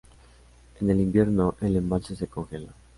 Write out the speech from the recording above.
En el invierno, el embalse se congela.